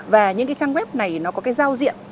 và những cái trang web này nó có cái giao diện